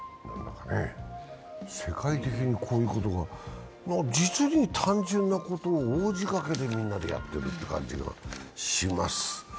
世界的にこういうことが実に単純なことを応じかけてみんなでやっているという感じがします。